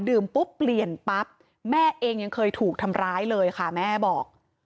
ปุ๊บเปลี่ยนปั๊บแม่เองยังเคยถูกทำร้ายเลยค่ะแม่บอก